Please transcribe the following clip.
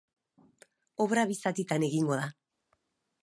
Obra bi zatitan egingo da.